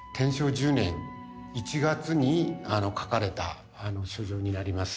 １０年１月に書かれた書状になります。